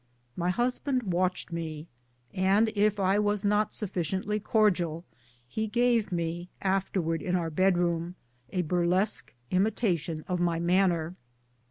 My husband watched me, and if I was not sufficiently cordial he gave me, afterwards, in our bedroom, a burlesque imitation of my manner.